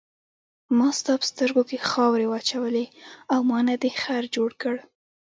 ما ستا په سترګو کې خاورې واچولې او ما نه دې خر جوړ کړ.